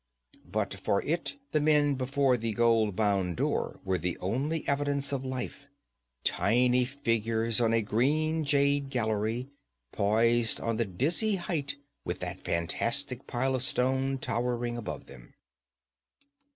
But for it, the men before the gold bound door were the only evidence of life, tiny figures on a green jade gallery poised on the dizzy height, with that fantastic pile of stone towering above them.